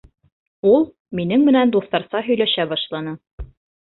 Ул минең менән дуҫтарса һөйләшә башланы.